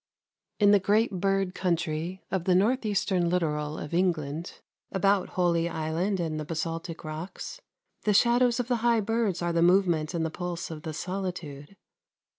In the great bird country of the north eastern littoral of England, about Holy Island and the basaltic rocks, the shadows of the high birds are the movement and the pulse of the solitude.